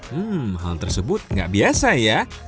hmm hal tersebut nggak biasa ya